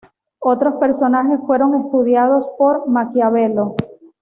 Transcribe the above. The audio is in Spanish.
Otros personajes fueron estudiados por Maquiavelo.